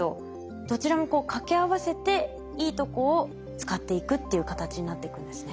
どちらも掛け合わせていいとこを使っていくっていう形になっていくんですね。